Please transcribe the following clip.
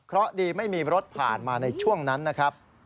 เพราะดีไม่มีรถผ่านมาในช่วงนั้นนะครับ